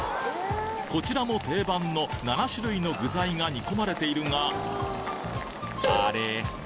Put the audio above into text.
こちらも定番の７種類の具材が煮込まれているがあれ？